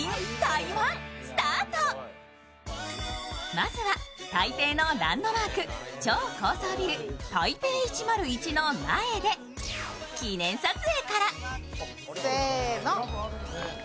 まずは台北のランドマーク超高層ビル・台北１０１の前で記念撮影から。